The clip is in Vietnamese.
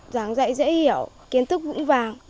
giảng dạy dễ hiểu kiến thức vững vàng